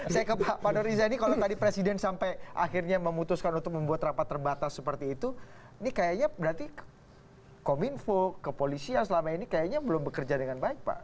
saya ke pak nur riza ini kalau tadi presiden sampai akhirnya memutuskan untuk membuat rapat terbatas seperti itu ini kayaknya berarti kominfo ke polisi yang selama ini kayaknya belum bekerja dengan baik pak